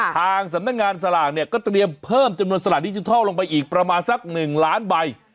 ทางสำนักงานสลากเนี่ยก็เตรียมเพิ่มจำนวนสลากดิจิทัลลงไปอีกประมาณสัก๑ล้านใบ